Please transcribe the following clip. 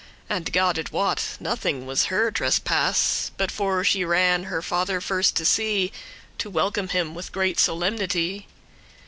<7> And, God it wot, nothing was her trespass,* *offence But for she ran her father first to see, To welcome him with great solemnity."